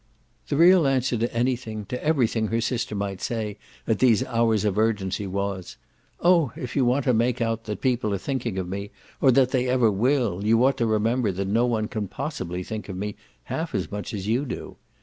The real answer to anything, to everything her sister might say at these hours of urgency was: "Oh if you want to make out that people are thinking of me or that they ever will, you ought to remember that no one can possibly think of me half as much as you do.